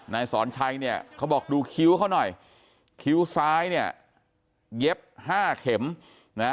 นายสอนชัยเนี่ยเขาบอกดูคิ้วเขาหน่อยคิ้วซ้ายเนี่ยเย็บห้าเข็มนะฮะ